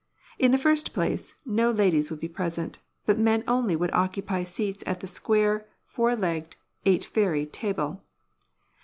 In the first place, no ladies would be present, but men only would occupy seats at the square, four legged, "eight fairy" table.